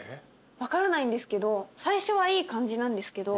分からないんですけど最初はいい感じなんですけど。